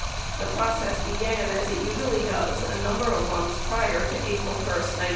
The process began, as it usually does, a number of months prior to April 1, 1971.